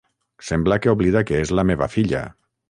Sembla que oblida que és la meva filla.